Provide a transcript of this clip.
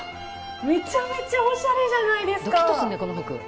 めちゃめちゃおしゃれじゃないですか！